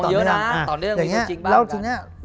ตอนเนื่องมีสิ่งจริงบ้างกัน